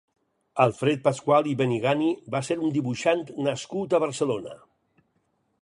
Alfred Pascual i Benigani va ser un dibuixant nascut a Barcelona.